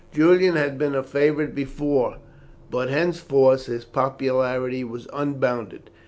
Julian had been a favourite before, but henceforth his popularity was unbounded.